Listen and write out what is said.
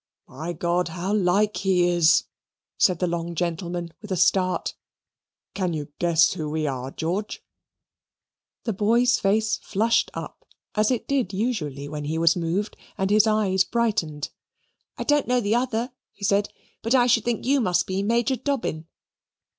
"My God, how like he is!" said the long gentleman with a start. "Can you guess who we are, George?" The boy's face flushed up, as it did usually when he was moved, and his eyes brightened. "I don't know the other," he said, "but I should think you must be Major Dobbin."